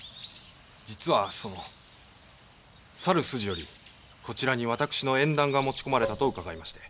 実はそのさる筋よりこちらに私の縁談が持ち込まれたと伺いまして。